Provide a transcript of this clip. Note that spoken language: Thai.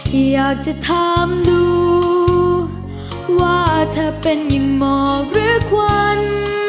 อยากจะถามดูว่าเธอเป็นหมอกหรือควัน